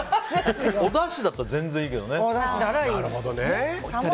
おだしだったら全然いいけど。